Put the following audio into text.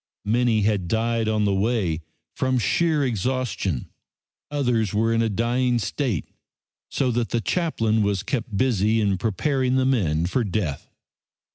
Many had died on the way from sheer exhaustion, others were in a dying state, so that the chaplain was kept busy in preparing the men for death.